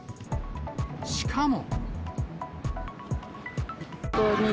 しかも。